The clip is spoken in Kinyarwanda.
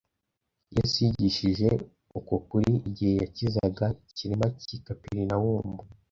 Yesu yigishije uko kuri, igihe yakizaga ikirema cy'i Kaperinawumu.